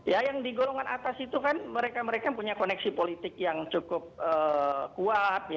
ya yang di golongan atas itu kan mereka mereka punya koneksi politik yang cukup kuat